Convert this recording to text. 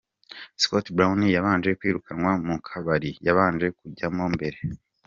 Scott Brown yabanje kwirukanwa mu kabari yabanje kujyamo mbere.